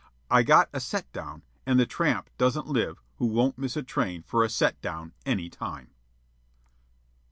I got a "set down," and the tramp doesn't live who won't miss a train for a set down any time.